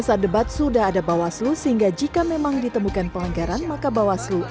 saat debat sudah ada bawah seluruh sehingga jika memang ditemukan pelanggaran maka bawah seluruh